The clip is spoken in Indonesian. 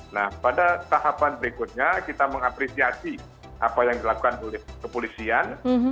nah pada tahapan berikutnya kita mengapresiasi apa yang dilakukan oleh kepolisian